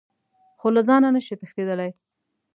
خو له ځانه نه شئ تښتېدلی .